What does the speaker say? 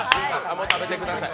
もう食べてください。